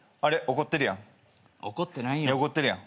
怒ってるやん。